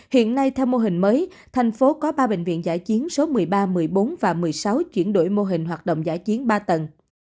hiện nay theo mô hình mới thành phố có ba bệnh viện giải chiến số một mươi ba một mươi bốn và một mươi sáu chuyển đổi mô hình hoạt động giải chiến ba tầng